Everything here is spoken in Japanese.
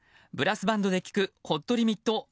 ブラスバンドで聴く「ホットリミット」